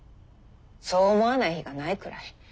そう思わない日がないくらい。